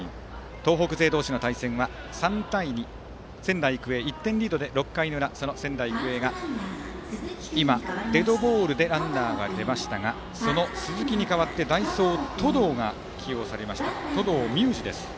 東北勢同士の対戦は３対２と仙台育英、１点リードで６回裏その仙台育英がデッドボールでランナーが出ましたがその鈴木に代わって代走に登藤海優史が起用されました。